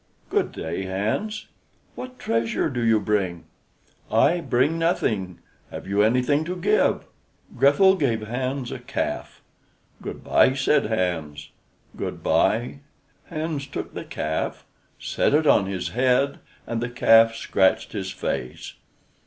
"Good day, Hans. What treasure do you bring?" "I bring nothing. Have you anything to give?" Grethel gave Hans a calf. "Good by," said Hans. "Good by." Hans took the calf, set it on his head, and the calf scratched his face.